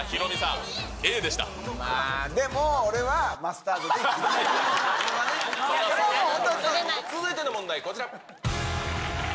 でも俺は、続いての問題、こちら。